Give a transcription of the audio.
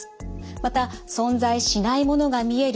また存在しないものが見える